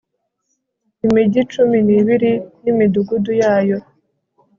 imigi cumi n'ibiri n'imidugudu yayo